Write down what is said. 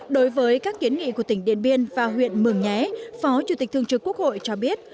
đối với các kiến nghị của tỉnh điện biên và huyện mường nhé phó chủ tịch thương trực quốc hội cho biết